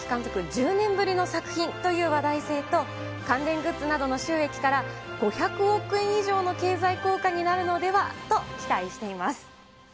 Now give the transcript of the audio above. １０年ぶりの作品という話題性と、関連グッズなどの収益から、５００億円以上の経済効果になるのではと期待しています。